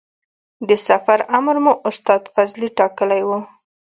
د سفر امر مو استاد فضلي ټاکلی و.